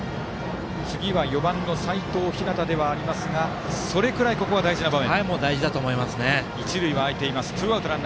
次は４番の齋藤陽ですがそれくらいここは大事な場面。